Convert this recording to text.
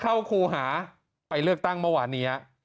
ครูหาไปเลือกตั้งเมื่อวานนี้